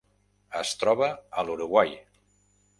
Es troba a l'Uruguai.